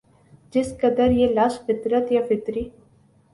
جس قدر یہ لفظ فطرت یا فطری